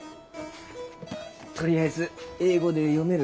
とりあえず英語で読める